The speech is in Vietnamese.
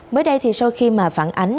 mới đây thì sau khi mà phản ánh